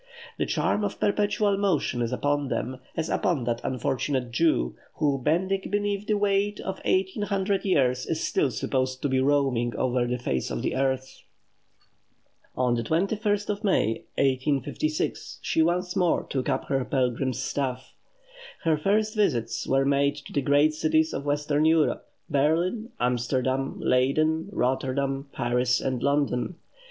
The charm of perpetual motion is upon them, as upon that unfortunate Jew, who, bending beneath the weight of eighteen hundred years, is still supposed to be roaming over the face of the earth. On the 21st of May, 1856, she once more took up her pilgrim's staff. Her first visits were made to the great cities of Western Europe Berlin, Amsterdam, Leyden, Rotterdam, Paris, and London.